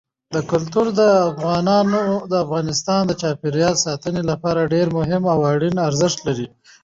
کلتور د افغانستان د چاپیریال ساتنې لپاره ډېر مهم او اړین ارزښت لري.